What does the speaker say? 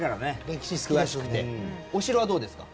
お城はどうですか？